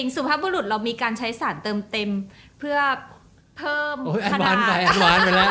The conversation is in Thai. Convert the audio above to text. สุภาพบุรุษเรามีการใช้สารเติมเต็มเพื่อเพิ่มขนาด